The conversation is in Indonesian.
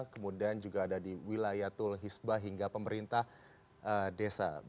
kemudian juga ada di wilayah tul hisbah hingga pemerintah desa